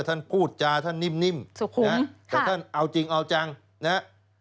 ท่านพูดจาท่านนิ่มนะแต่ท่านเอาจริงเอาจังนะฮะ